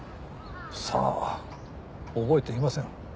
さあ覚えていません。